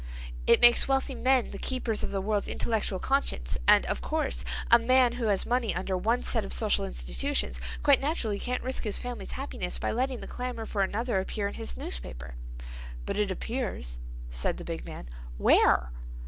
"It makes wealthy men the keepers of the world's intellectual conscience and, of course, a man who has money under one set of social institutions quite naturally can't risk his family's happiness by letting the clamor for another appear in his newspaper." "But it appears," said the big man. "Where?